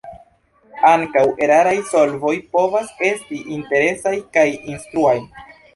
Ankaŭ eraraj solvoj povas esti interesaj kaj instruaj.